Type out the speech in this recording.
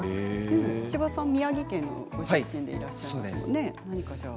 千葉さんは宮城県のご出身でいらっしゃいますよね？